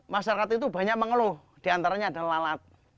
masyarakat itu banyak mengeluh diantaranya ada lalat